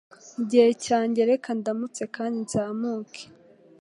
Igihe cyanjye reka ndamutse kandi nzamuke